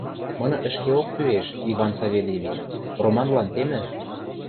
— Мыны ӹшкеок кӱэш, Иван Савельевич, Романлан темӹ...